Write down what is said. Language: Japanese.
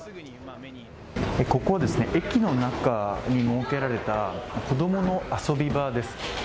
ここはですね、駅の中に設けられた子供の遊び場です。